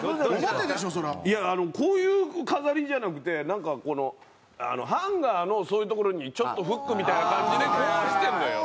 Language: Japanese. いやこういう飾りじゃなくてなんかこのハンガーのそういう所にちょっとフックみたいな感じでこうしてるのよ。